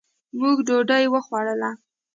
مونږ ډوډي وخوړله